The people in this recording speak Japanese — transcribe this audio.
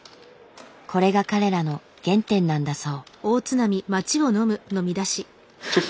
これが彼らの原点なんだそう。